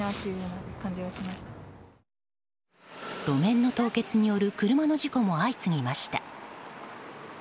路面の凍結による車の事故も相次ぎました。